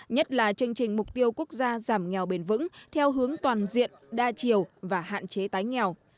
nhất là chương trình mục tiêu quốc gia giảm nghèo bền vững theo hướng toàn diện đa chiều và hạn chế tái nghèo